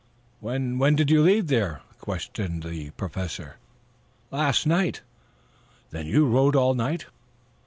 "When when did you leave there?" questioned the Professor. "Last night." "Then you rode all night?"